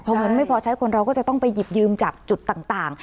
พอเงินไม่พอใช้คนเราก็จะต้องไปหยิบยืมจากจุดต่าง